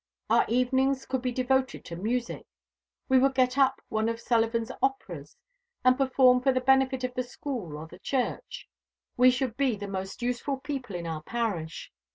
Our evenings could be devoted to music; we could get up one of Sullivan's operas, and perform for the benefit of the school or the church. We should be the most useful people in our parish.